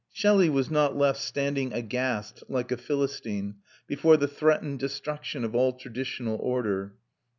Shelley was not left standing aghast, like a Philistine, before the threatened destruction of all traditional order.